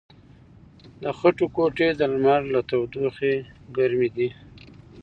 د خټو کوټې د لمر له تودوخې ګرمې دي.